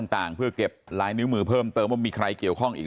ต่างเพื่อเก็บลายนิ้วมือเพิ่มเติมว่ามีใครเกี่ยวข้องอีก